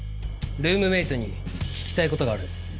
ルームメイトに聞きたい事がある。